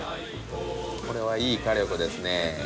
これはいい火力ですね